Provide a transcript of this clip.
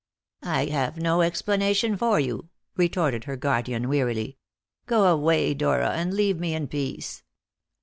"I have no explanation for you," retorted her guardian wearily; "go away, Dora, and leave me in peace."